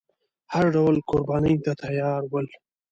هر ډول قربانۍ ته تیار ول.